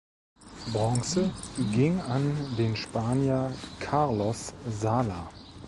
Bronze ging an den Spanier Carlos Sala.